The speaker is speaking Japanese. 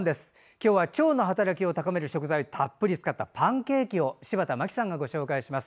今日は腸の働きを高める食材をたっぷり使ったパンケーキを柴田真希さんがご紹介します。